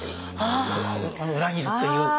裏切るっていう。